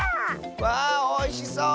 わおいしそう！